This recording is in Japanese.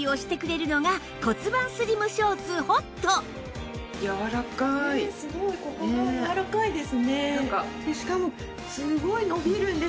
ここがやわらかいですね。